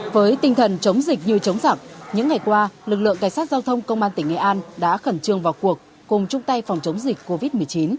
với tinh thần chống dịch như chống giặc những ngày qua lực lượng cảnh sát giao thông công an tỉnh nghệ an đã khẩn trương vào cuộc cùng chung tay phòng chống dịch covid một mươi chín